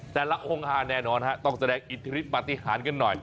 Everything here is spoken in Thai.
แต่ละห่วงหาแน่นอนค่ะต้องแสดงอิทธิภาษณ์ปฏิหารกันหน่อย